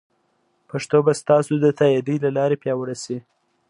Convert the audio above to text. پښتو به ستاسو د تایید له لارې پیاوړې شي.